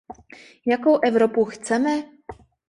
Jakou Evropu chceme?